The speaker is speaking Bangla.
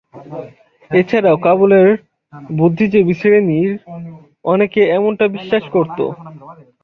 এছাড়াও কাবুলের বুদ্ধিজীবী শ্রেণীর অনেকে এমনটা বিশ্বাস করত।